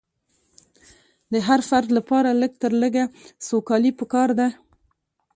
د هر فرد لپاره لږ تر لږه سوکالي پکار ده.